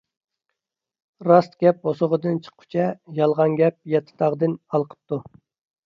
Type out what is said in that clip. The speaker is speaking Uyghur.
راست گەپ بۇسۇغىدىن چىققىچە، يالغان گەپ يەتتە تاغدىن ھالقىپتۇ.